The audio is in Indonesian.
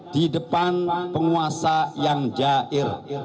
di depan penguasa yang jair